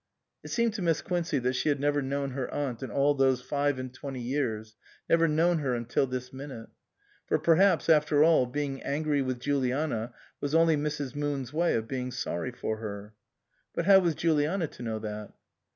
It seemed to Miss Quincey that she had never known her aunt in all those five and twenty years ; never known her until this minute. For perhaps, after all, being angry with Juliana was only Mrs. Moon's way of being sorry for her. But how was Juliana to know that